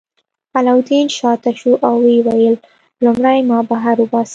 علاوالدین شاته شو او ویې ویل لومړی ما بهر وباسه.